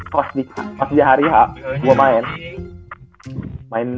pas di jahariha gue main